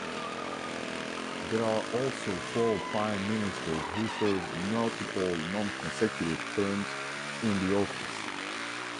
There are also four prime ministers who served multiple non-consecutive terms in the office.